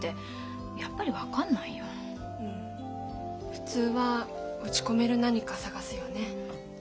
普通は打ち込める何か探すよね。